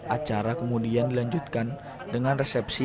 acara kemudian dilanjutkan dengan resepsi